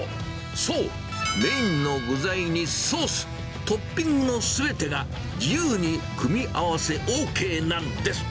そう、メインの具材にソース、トッピングのすべてが自由に組み合わせＯＫなんです。